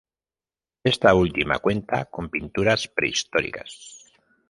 Esta última cuenta con pinturas prehistóricas.